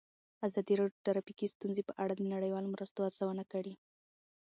ازادي راډیو د ټرافیکي ستونزې په اړه د نړیوالو مرستو ارزونه کړې.